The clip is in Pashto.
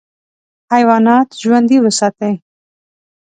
حیوانات ژوندي وساتې.